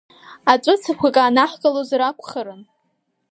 Аҵәыцақәак аанаҳкылозар акәхарын.